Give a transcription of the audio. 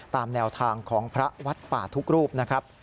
ตามแนวทางของพระวัดป่าทุกรูปนะครับ